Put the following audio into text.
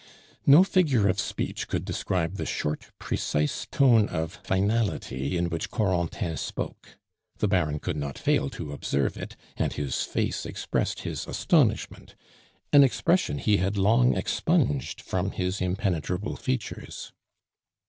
No figure of speech could describe the short, precise tone of finality in which Corentin spoke; the Baron could not fail to observe it, and his face expressed his astonishment an expression he had long expunged from his impenetrable features.